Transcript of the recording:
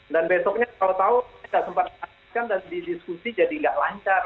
dan besoknya kalau tahu saya tidak sempat menghasilkan dan didiskusi jadi tidak lancar